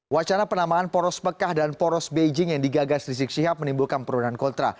wacana penamaan poros mekah dan poros beijing yang digagas di siksyah menimbulkan perundangan kontra